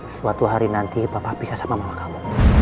suatu hari nanti papa pisah sama mama kamu